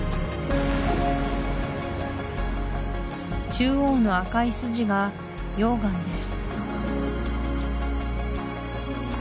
中央の赤い筋が溶岩です